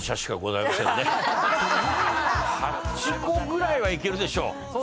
８個ぐらいはいけるでしょ。